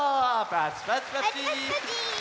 パチパチパチー！